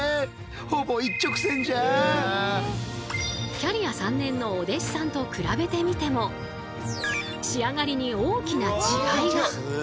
キャリア３年のお弟子さんと比べてみても仕上がりに大きな違いが。